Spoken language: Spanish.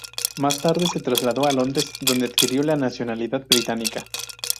Más tarde se trasladó a Londres, donde adquirió la nacionalidad británica.